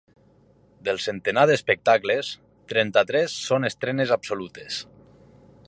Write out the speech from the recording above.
Del centenar d’espectacles, trenta-tres són estrenes absolutes.